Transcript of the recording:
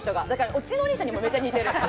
うちのお兄ちゃんにもめっちゃ似てる。